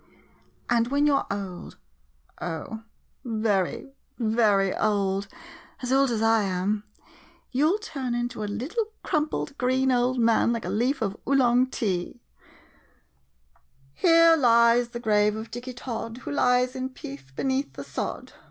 And when you 're old — oh, very— very old — as old as I am — you '11 turn into a little, crumpled, green old man, like a leaf of Oolong tea! [Recites tragically.] Here lies the grave of Dicky Tod, Who lies in peace, beneath the sod.